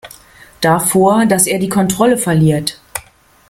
Davor, dass er die Kontrolle verliert.